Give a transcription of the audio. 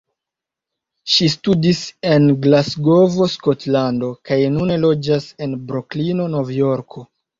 Ŝi studis en Glasgovo, Skotlando, kaj nune loĝas en Broklino, Novjorko.